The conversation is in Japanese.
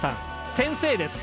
先生です。